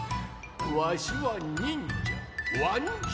わしはにんじゃわんじいじゃ。